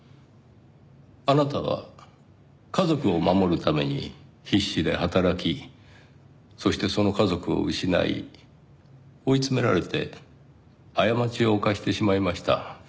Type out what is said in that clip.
あなたは家族を守るために必死で働きそしてその家族を失い追い詰められて過ちを犯してしまいました。